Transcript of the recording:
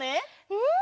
うん！